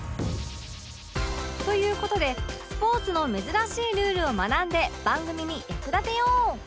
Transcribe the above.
という事でスポーツの珍しいルールを学んで番組に役立てよう！